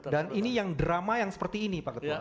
dan ini drama yang seperti ini pak ketua